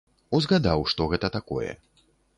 Узгадаў, што гэта такое.